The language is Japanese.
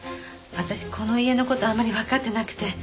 私この家の事あまりわかってなくて。